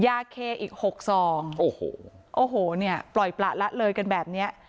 ยาเคอีกหกซองโอ้โหโอ้โหเนี่ยปล่อยประละเลยกันแบบเนี้ย